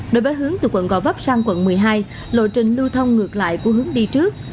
đối với hướng từ quận gò vấp sang quận một mươi hai lộ trình lưu thông ngược lại của hướng đi trước